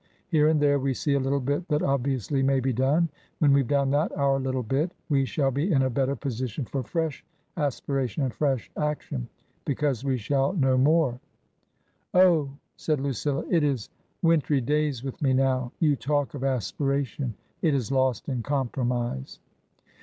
Here and there we see a little bit that obviously may be done. When we've done that — our little bit — we shall be in a better position for fresh aspiration and fresh action. Because we shall know more." " Oh," said Lucilla, " it is wintry days with me now. You talk of aspiration. It is lost in compromise."